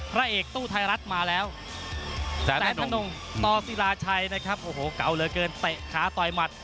พระเอกตู้ไทยรัฐมาแล้วแสนธนงต่อศิลาชัยนะครับโอ้โหเก่าเหลือเกินเตะขาต่อยหมัด